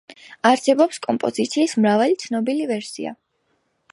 არსებობს კომპოზიციის მრავალი ცნობილი ვერსია.